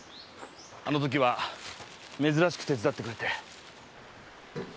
あの時は珍しく手伝ってくれて。